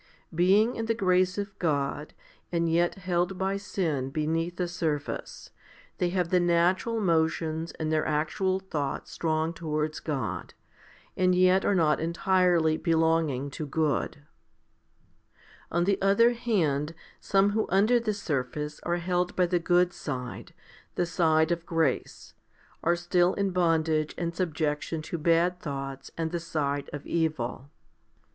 Being in the grace of God, and yet held by sin beneath the surface, they have the natural motions and their actual thoughts strong towards God, and yet are not entirely belonging to good. 7. And on the other hand some who under the surface are held by the good side, the side of grace, are still in bondage and subjection to bad thoughts and the side of evil.